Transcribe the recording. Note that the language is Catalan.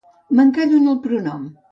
M'encallo en el pronom.